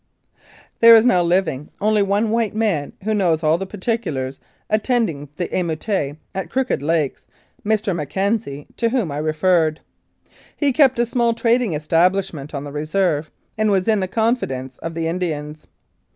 There is now living only one white man who knows all the particulars attending the emeute at Crooked Lakes Mr. McKenzie, to whom I have referred. He kept a small trading establishment on the reserve, and was in the confidence of the Indians.